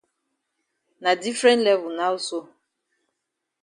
Na different level now so.